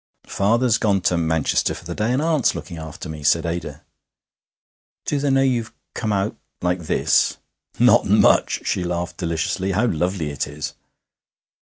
'Father's gone to Manchester for the day, and aunt's looking after me,' said Ada. 'Do they know you've come out like this?' 'Not much!' She laughed deliciously. 'How lovely it is!'